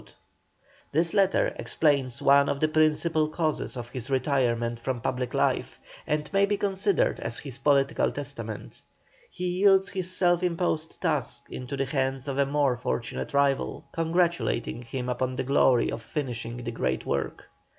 This letter explains one of the principal causes of his retirement from public life, and may be considered as his political testament. He yields his self imposed task into the hands of a more fortunate rival, congratulating him upon the glory of finishing the great work.